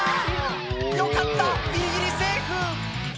「よかったギリギリセーフ！」